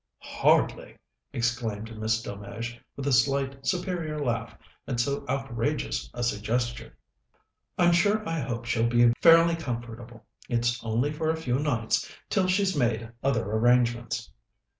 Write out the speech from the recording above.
"Hardly!" exclaimed Miss Delmege, with a slight, superior laugh at so outrageous a suggestion. "I'm sure I hope she'll be fairly comfortable. It's only for a few nights, till she's made other arrangements."